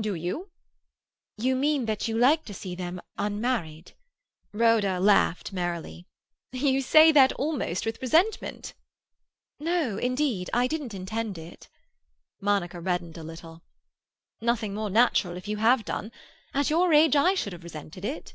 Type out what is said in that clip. "Do you?" "You mean that you like to see them live unmarried." Rhoda laughed merrily. "You say that almost with resentment." "No—indeed—I didn't intend it." Monica reddened a little. "Nothing more natural if you have done. At your age, I should have resented it."